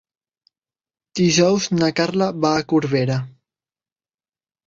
Dijous na Carla va a Corbera.